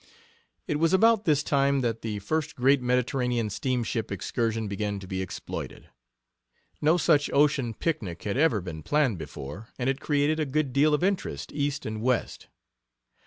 It was about this time that the first great Mediterranean steamship excursion began to be exploited. No such ocean picnic had ever been planned before, and it created a good deal of interest East and West.